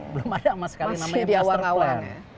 belum ada sama sekali namanya poster plan